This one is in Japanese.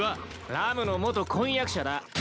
ラムの元婚約者だ。